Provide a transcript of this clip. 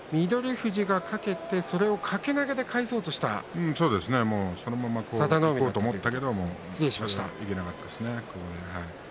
富士がかけてそれを掛け投げで返そうとしたそのままいこうとしたけれどもいけなかったですね。